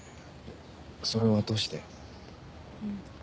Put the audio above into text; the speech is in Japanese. それはどうして？